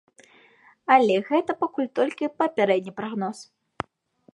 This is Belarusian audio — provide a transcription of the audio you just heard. Але гэта пакуль толькі папярэдні прагноз.